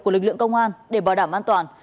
của lực lượng công an để bảo đảm an toàn